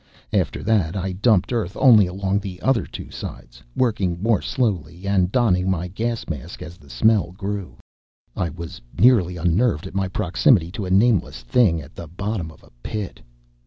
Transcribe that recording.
After that I dumped earth only along the other two sides; working more slowly and donning my gas mask as the smell grew. I was nearly unnerved at my proximity to a nameless thing at the bottom of a pit.